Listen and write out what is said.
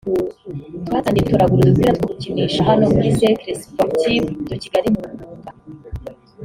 twatangiye dutoragura udupira two gukinisha hano muri Cercle Sportif de Kigali mu Rugunga